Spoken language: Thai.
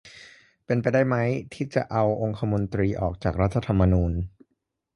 เป็นไปได้ไหมที่จะเอาองคมนตรีออกจากรัฐธรรมนูญ